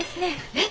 えっ！